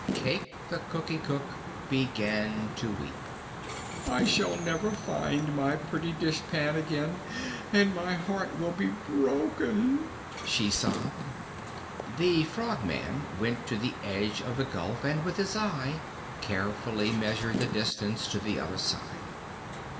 Cayke the Cookie Cook began to weep. "I shall never find my pretty dishpan again, and my heart will be broken!" she sobbed. The Frogman went to the edge of the gulf and with his eye carefully measured the distance to the other side.